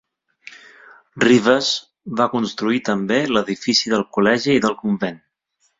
Rivas va construir també l'edifici del col·legi i del convent.